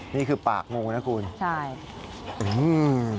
นี่คือปากงูนะคุณใช่อืม